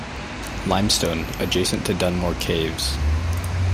Limestone, adjacent to Dunmore Caves.